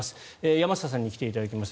山下さんに来ていただきました。